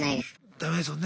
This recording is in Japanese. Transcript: ダメですもんね。